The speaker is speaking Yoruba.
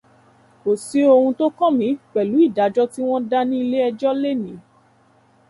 Kò sí ohun tó kàn mí pẹ̀lú ìdájọ́ tí wọ́n dá ní iléẹjọ́ lénìí.